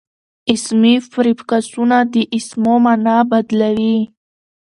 اسمي پریفکسونه د اسمو مانا بدلوي.